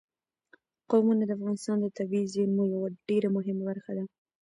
قومونه د افغانستان د طبیعي زیرمو یوه ډېره مهمه برخه ده.